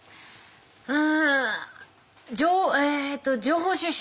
あえっと情報収集。